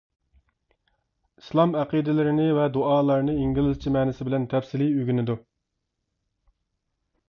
ئىسلام ئەقىدىلىرىنى ۋە دۇئالارنى ئىنگلىزچە مەنىسى بىلەن تەپسىلىي ئۆگىنىدۇ.